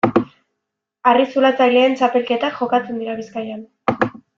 Harri-zulatzaileen txapelketak jokatzen dira Bizkaian.